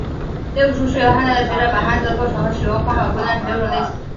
六书是由汉代的学者把汉字的构成和使用方式归纳成的六种类型。